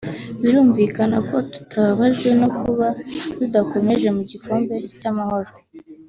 Birumvikana ko tubabajwe no kuba tudakomeje mu gikombe cy’Amahoro